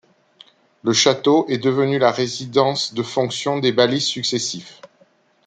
Le Château est devenu la résidence de fonction des baillis successifs.